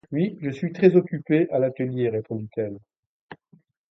Oui, je suis très-occupée à l’atelier, répondit-elle.